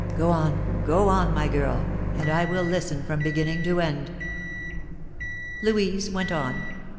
Go on, go on, my girl, and I will listen from beginning to end." Louise went on.